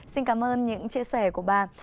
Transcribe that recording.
xin cảm ơn những chia sẻ của bà